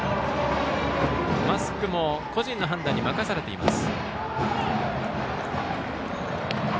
マスクも個人の判断に任されています。